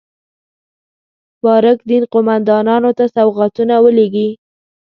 بارک دین قوماندانانو ته سوغاتونه ولېږي.